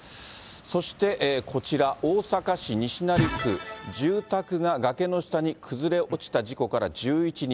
そしてこちら、大阪市西成区、住宅が崖の下に崩れ落ちた事故から１１日。